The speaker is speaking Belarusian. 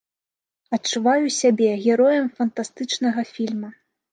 Адчуваю сябе героем фантастычнага фільма.